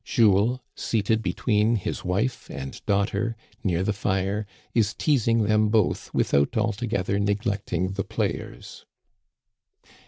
Jules, seated between his wife and daughter, near the fire, is teasing them both without altogether neglecting the players.